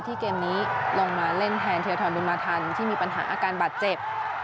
เกมนี้ลงมาเล่นแทนเทียทรบุญมาทันที่มีปัญหาอาการบาดเจ็บ